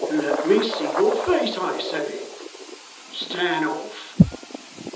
'Let me see your face, I say.' 'Stand off!